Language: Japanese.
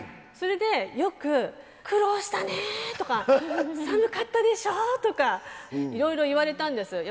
それでよく「苦労したね」とか「寒かったでしょ」とかいろいろ言われたんです。